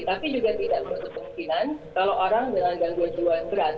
tapi juga tidak menutup kemungkinan kalau orang dengan gangguan jiwa berat